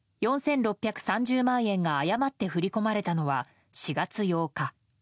４６３０万円が誤って振り込まれたのは４月８日。